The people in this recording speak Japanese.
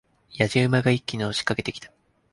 野次馬が一気に押し掛けてきた。